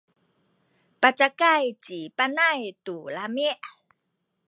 pacakay ci Panay tu lami’.